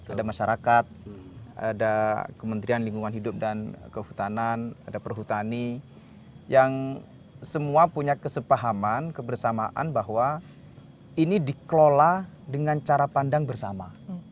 ada masyarakat ada kementerian lingkungan hidup dan kehutanan ada perhutani yang semua punya kesepahaman kebersamaan bahwa ini dikelola dengan cara pandang bersama